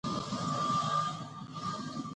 پښتانه په کومو سیمو کې ډیر دي؟